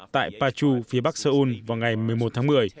tại pachu phía bắc seoul vào ngày một mươi một tháng một mươi